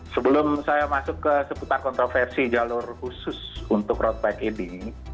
sebelum saya masuk ke seputar kontroversi jalur khusus untuk road bike ini